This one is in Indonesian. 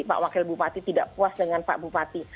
pak wakil bupati tidak puas dengan pak bupati